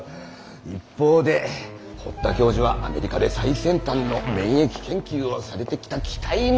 一方で堀田教授はアメリカで最先端の免疫研究をされてきた期待の星。